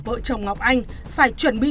vợ chồng ngọc anh phải chuẩn bị